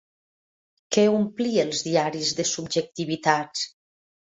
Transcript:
Què omplí els diaris de subjectivitats?